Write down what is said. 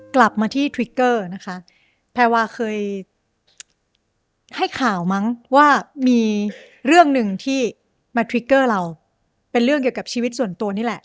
กลับมาที่ทริกเกอร์นะคะแพรวาเคยให้ข่าวมั้งว่ามีเรื่องหนึ่งที่มาทริกเกอร์เราเป็นเรื่องเกี่ยวกับชีวิตส่วนตัวนี่แหละ